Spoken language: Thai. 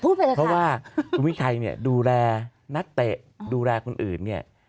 เพราะว่าคุณวิชัยเนี่ยดูแลนักเตะดูแลคนอื่นเนี่ย